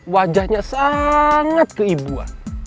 wajahnya sangat keibuan